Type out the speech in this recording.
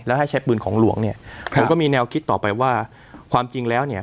แล้วให้ใช้ปืนของหลวงเนี่ยครับผมก็มีแนวคิดต่อไปว่าความจริงแล้วเนี่ย